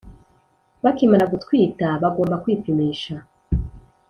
bakimara gutwita bagomba kwipimsha